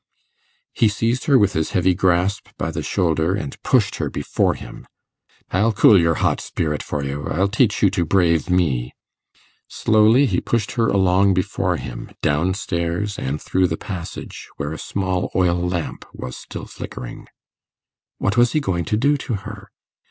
He seized her with his heavy grasp by the shoulder, and pushed her before him. 'I'll cool your hot spirit for you! I'll teach you to brave me!' Slowly he pushed her along before him, down stairs and through the passage, where a small oil lamp was still flickering. What was he going to do to her?